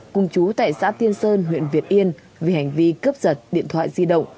cùng chú tại xã tiên sơn huyện việt yên vì hành vi cướp giật điện thoại di động